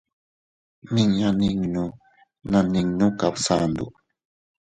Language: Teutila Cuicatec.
Miña ninnu na nino Kubsandu.